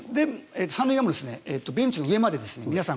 ３塁はベンチの上まで皆さん